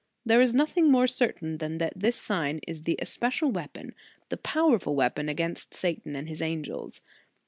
There is nothing more certain than that this sign is the especial weapon, the powerful weapon against Satan and his an gels.